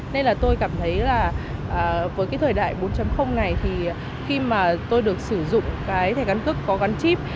nên là tôi cảm thấy là với cái thời đại bốn này thì khi mà tôi được sử dụng cái thẻ căn cước có gắn chip